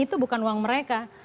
itu bukan uang mereka